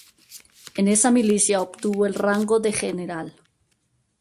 En esa milicia obtuvo el rango de general.